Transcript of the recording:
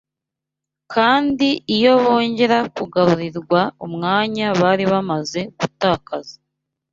kandi iyo bongera kugarurirwa umwanya bari bamaze gutakaza